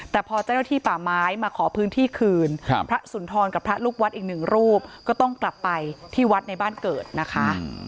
แต่พอเจ้าหน้าที่ป่าไม้มาขอพื้นที่คืนพระสุนทรกับพระลูกวัดอีกหนึ่งรูปก็ต้องกลับไปที่วัดในบ้านเกิดนะคะ